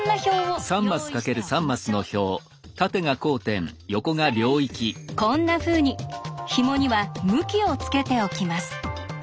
更にこんなふうにひもには向きをつけておきます。